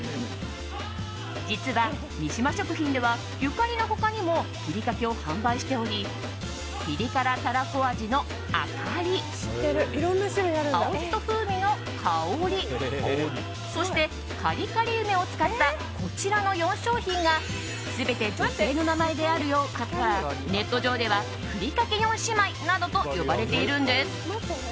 実は三島食品ではゆかりの他にもふりかけを販売しておりピリ辛たらこ味のあかり青じそ風味のかおりそして、カリカリ梅を使ったこちらの４商品が全て女性の名前のようであることからネット上ではふりかけ４姉妹などと呼ばれているんです。